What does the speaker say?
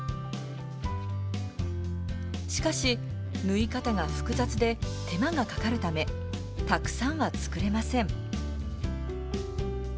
しかし縫い方が複雑で手間がかかるためたくさんは作れません。